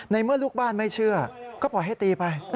เมื่อลูกบ้านไม่เชื่อก็ปล่อยให้ตีไป